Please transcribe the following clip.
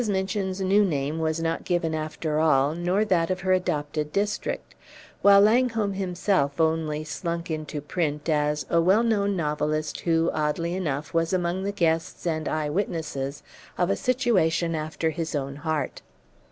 Minchin's new name was not given after all, nor that of her adopted district; while Langholm himself only slunk into print as "a well known novelist who, oddly enough, was among the guests, and eye witness of a situation after his own heart."